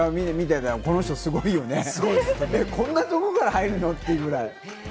この人すごいよね、こんなところから入るの？っていうぐらい。